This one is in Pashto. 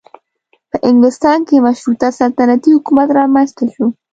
په انګلستان کې مشروطه سلطنتي حکومت رامنځته شو.